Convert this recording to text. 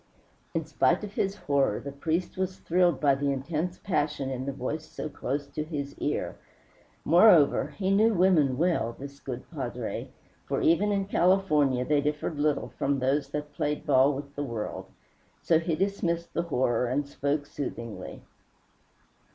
In spite of his horror the priest was thrilled by the intense passion in the voice so close to his ear. Moreover, he knew women well, this good padre, for even in California they differed little from those that played ball with the world. So he dismissed the horror and spoke soothingly.